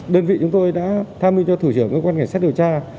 đơn vị chúng tôi đã tham minh cho thủ trưởng cơ quan kẻ sát điều tra